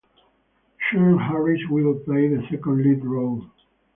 Sean Harris will play the second lead role.